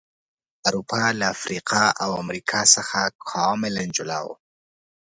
اروپا له افریقا او امریکا څخه کاملا جلا و.